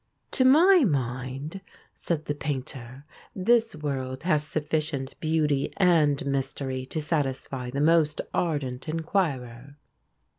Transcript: "To my mind," said the painter, "this world has sufficient beauty and mystery to satisfy the most ardent inquirer."